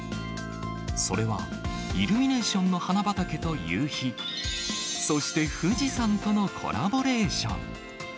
それはイルミネーションの花畑と夕日、そして富士山とのコラボレーション。